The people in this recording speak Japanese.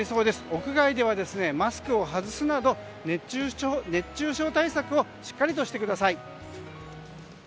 屋外ではマスクを外すなど熱中症対策をしっかりとしてください。